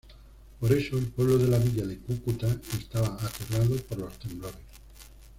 Por eso el pueblo de la Villa de Cúcuta estaba aterrado por los temblores.